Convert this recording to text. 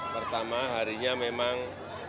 pertama harinya memang